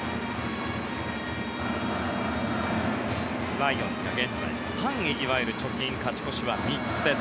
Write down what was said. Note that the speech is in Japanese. ライオンズが現在３位いわゆる貯金、勝ち越しは３つです。